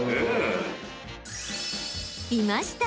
［いました！